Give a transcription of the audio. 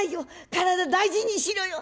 体大事にしろよ」。